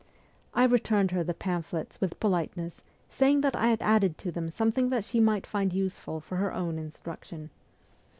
I returned her the pamphlets with politeness, saying that I had added to them something that she might find useful for her own instruction.